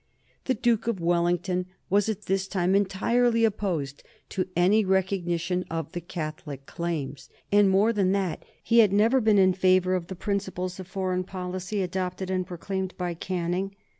The Duke of Wellington was at this time entirely opposed to any recognition of the Catholic claims, and, more than that, he had never been in favor of the principles of foreign policy adopted and proclaimed by Canning.